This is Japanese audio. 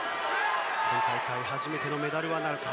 今大会初のメダルなるか。